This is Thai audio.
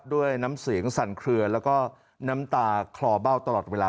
ด้วยน้ำเสียงสั่นเคลือแล้วก็น้ำตาคลอเบ้าตลอดเวลา